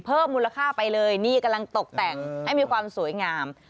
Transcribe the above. เพิ่มมูลค่าไปเลยนี่กำลังตกแต่งให้มีความสวยงาม